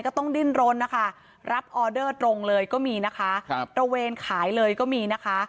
ก็ต้องดิ้นรนนะคะรับออเดอร์ตรงเลยก็มีนะคะครับตระเวนขายเลยก็มีนะคะ